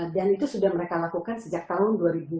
dan itu sudah mereka lakukan sejak tahun dua ribu sepuluh